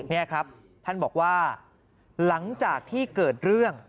นี่ครับท่านบอกว่าหลังจากที่เกิดเรื่อง